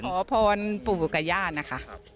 ขอพรปู่กับญาตินะคะ